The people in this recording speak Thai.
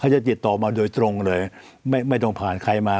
จะติดต่อมาโดยตรงเลยไม่ต้องผ่านใครมา